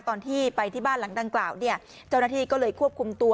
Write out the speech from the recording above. ตอนที่ไปที่บ้านหลังดังกล่าวเนี่ยเจ้าหน้าที่ก็เลยควบคุมตัว